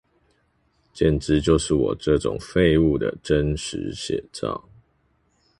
簡直就是我這種廢物的真實寫照